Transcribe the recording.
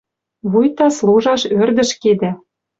Вуйта служаш ӧрдӹш кедӓ